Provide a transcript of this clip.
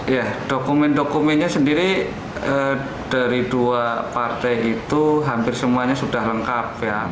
ya dokumen dokumennya sendiri dari dua partai itu hampir semuanya sudah lengkap ya